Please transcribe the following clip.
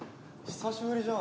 久しぶりじゃん。